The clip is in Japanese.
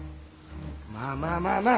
まあまあまあまあ。